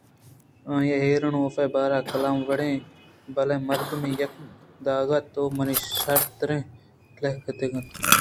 آئیءَ heren hof ءِبار ءُکلام ءِ وڑیں بلائیں مردمے یلہ داتگ ءُمن ءَ شر تر لیکیتگ